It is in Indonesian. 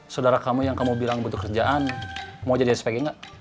saudara kamu yang kamu bilang butuh kerjaan mau jadi spg nggak